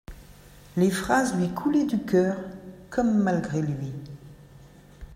Les phrases lui coulaient du cœur comme malgré lui.